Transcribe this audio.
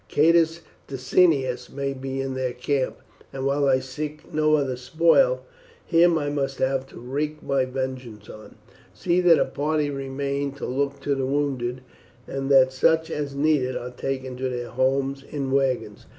Catus Decianus may be in their camp, and while I seek no other spoil, him I must have to wreak my vengeance on. See that a party remain to look to the wounded, and that such as need it are taken to their homes in wagons."